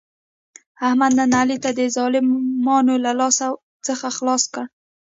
احمد نن علي د ظالمانو له لاس څخه خلاص کړ.